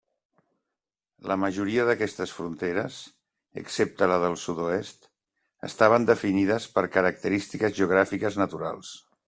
La majoria d'aquestes fronteres, excepte la del sud-oest, estaven definides per característiques geogràfiques naturals.